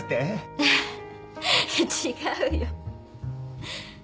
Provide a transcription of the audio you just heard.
違うよ。